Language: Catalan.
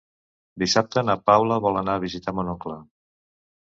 Dissabte na Paula vol anar a visitar mon oncle.